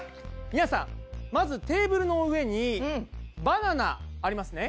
みなさんまずテーブルの上にバナナありますね？